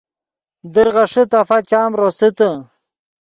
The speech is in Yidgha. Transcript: در غیݰے تفا چام روسیتے